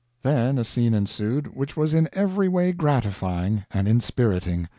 Then a scene ensued which was in every way gratifying and inspiriting.